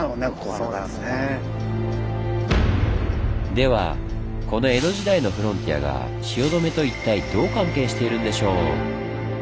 ではこの江戸時代のフロンティアが汐留と一体どう関係しているんでしょう？